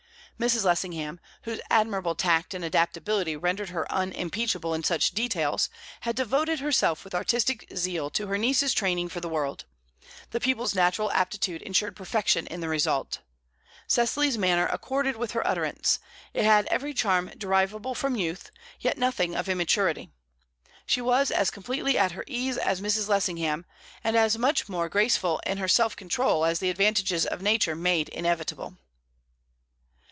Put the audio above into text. Mrs. Lessingham, whose admirable tact and adaptability rendered her unimpeachable in such details, had devoted herself with artistic zeal to her niece's training for the world; the pupil's natural aptitude ensured perfection in the result. Cecily's manner accorded with her utterance; it had every charm derivable from youth, yet nothing of immaturity. She was as completely at her ease as Mrs. Lessingham, and as much more graceful in her self control as the advantages of nature made inevitable.